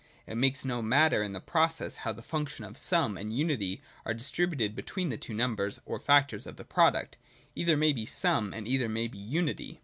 It makes no matter in the process, how the functions of Sum and Unity are distributed between the two numbers, or factors of the product ; either may be Sum and either may be Unity.